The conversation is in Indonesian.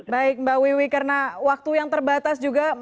baik mbak wiwi karena waktu yang terbatas juga